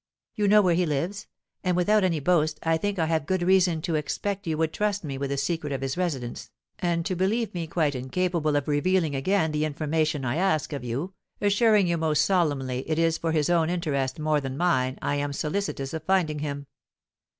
You know where he lives; and without any boast, I think I have good reason to expect you would trust me with the secret of his residence, and to believe me quite incapable of revealing again the information I ask of you, assuring you most solemnly it is for his own interest more than mine I am solicitous of finding him."